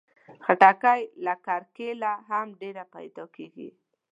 خټکی له کرکيله هم ډېر پیدا کېږي.